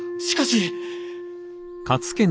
しかし。